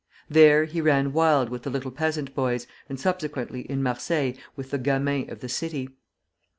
There he ran wild with the little peasant boys, and subsequently in Marseilles with the gamins of the city.